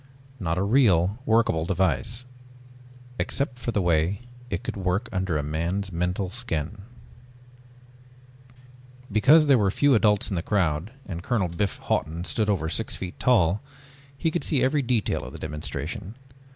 Not a real, workable device. Except for the way it could work under a man's mental skin.... BY HARRY HARRISON [Illustration: SHOP] Because there were few adults in the crowd, and Colonel "Biff" Hawton stood over six feet tall, he could see every detail of the demonstration.